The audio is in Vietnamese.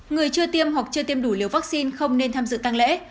người chưa tiêm hoặc chưa tiêm đủ liều vaccine không nên tham dự tăng lễ